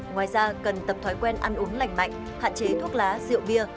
ngoài ra cần tập thói quen ăn uống lành mạnh hạn chế thuốc lá rượu bia